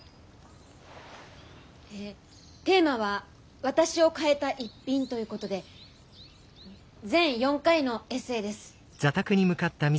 テーマは「私を変えた逸品」ということで全４回のエッセーです。